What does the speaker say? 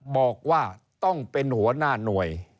บอกว่าต้องเป็นหัวหน้าหน่วย